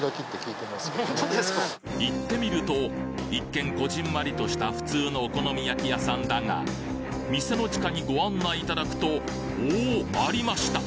行ってみると一見こぢんまりとした普通のお好み焼き屋さんだが店の地下にご案内いただくとおお！ありました！